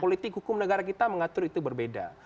politik hukum negara kita mengatur itu berbeda